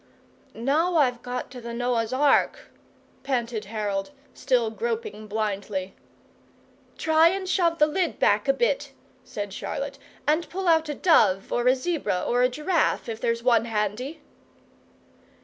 "Now I've got to the Noah's Ark," panted Harold, still groping blindly. "Try and shove the lid back a bit," said Charlotte, "and pull out a dove or a zebra or a giraffe if there's one handy."